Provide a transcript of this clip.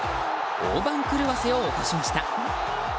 大番狂わせを起こしました。